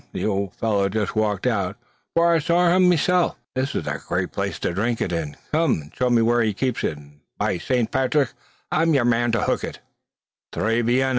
The ould fellow's just walked out, for I saw him meself. This is a nate place to drink it in. Come an' show me where he keeps it; and, by Saint Patrick! I'm yer man to hook it." "Tres bien!